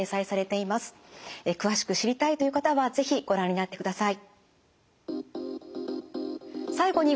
詳しく知りたいという方は是非ご覧になってください。